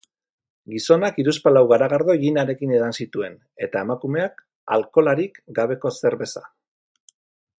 Gizonak hiruzpalau garagardo ginarekin edan zituen, eta emakumeak alkoholarik gabeko zerbeza.